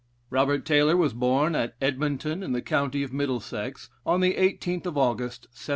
Robert Taylor was born at Edmonton, in the county of Middlesex, on the 18th of August, 1784.